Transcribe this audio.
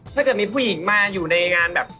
ถ้าเกิดมีผู้หญิงมาอยู่ในงานแบบ